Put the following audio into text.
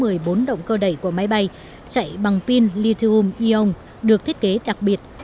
với một mươi bốn động cơ đẩy của máy bay chạy bằng pin lithium ion được thiết kế đặc biệt